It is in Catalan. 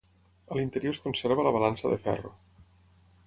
A l'interior es conserva la balança de ferro.